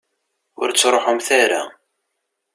Ur tettruḥumt ara.